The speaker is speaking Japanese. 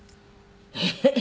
えっ？